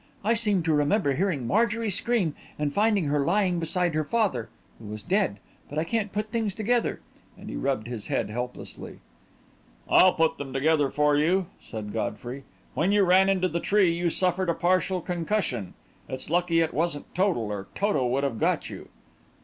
I seem to remember hearing Marjorie scream, and finding her lying beside her father, who was dead but I can't put things together," and he rubbed his head helplessly. "I'll put them together for you," said Godfrey. "When you ran into the tree, you suffered a partial concussion. It's lucky it wasn't total, or Toto would have got you!"